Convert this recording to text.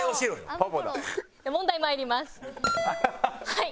はい。